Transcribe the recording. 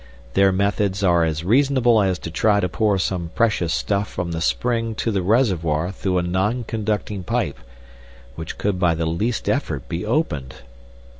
Their methods are as reasonable as to try to pour some precious stuff from the spring to the reservoir through a non conducting pipe, which could by the least effort be opened.